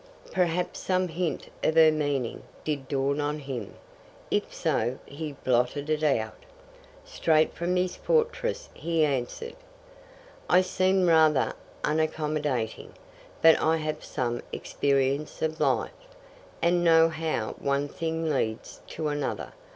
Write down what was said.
Perhaps some hint of her meaning did dawn on him. If so, he blotted it out. Straight from his fortress he answered: "I seem rather unaccommodating, but I have some experience of life, and know how one thing leads to another.